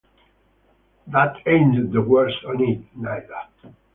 That ain’t the worst on it, neither.